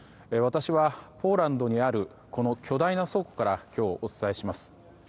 私はポーランドにあるこの巨大な倉庫から今日、お伝えします。